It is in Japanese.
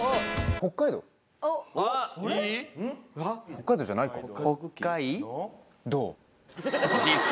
北海道じゃないか？